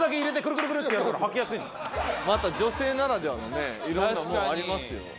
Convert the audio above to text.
また女性ならではのねいろんなものありますよ。